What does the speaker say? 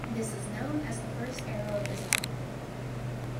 This is known as the first arrow of Islam.